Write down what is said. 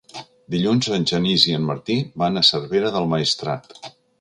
Dilluns en Genís i en Martí van a Cervera del Maestrat.